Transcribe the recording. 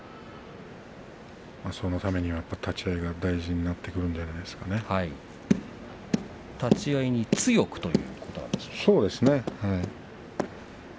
そのためには、立ち合いが大事になってくるんじゃ立ち合いにそうですね。